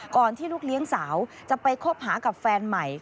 ที่ลูกเลี้ยงสาวจะไปคบหากับแฟนใหม่